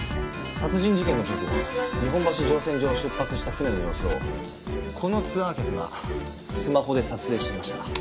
殺人事件の直後日本橋乗船場を出発した船の様子をこのツアー客がスマホで撮影してました。